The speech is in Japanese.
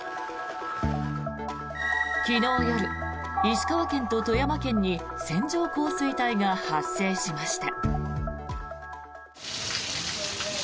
昨日夜、石川県と富山県に線状降水帯が発生しました。